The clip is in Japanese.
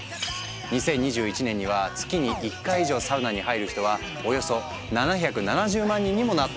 ２０２１年には月に１回以上サウナに入る人はおよそ７７０万人にもなっているんだとか。